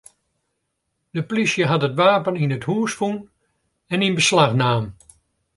De plysje hat it wapen yn it hús fûn en yn beslach naam.